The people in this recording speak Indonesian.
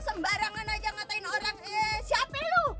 sembarangan aja ngatain orang siapa lu